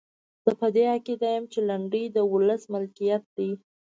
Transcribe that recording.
زه په دې عقیده یم چې لنډۍ د ولس ملکیت دی.